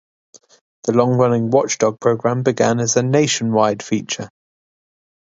The long-running "Watchdog" programme began as a "Nationwide" feature.